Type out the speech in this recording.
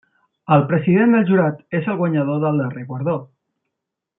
El president del jurat és el guanyador del darrer guardó.